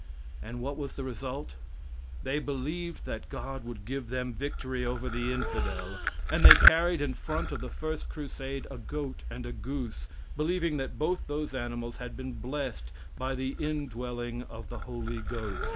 And what was the result? They believed that God would give them victory over the infidel, and they carried in front of the first Crusade a goat and a goose, believing that both those animals had been blessed by the indwelling of the Holy Ghost.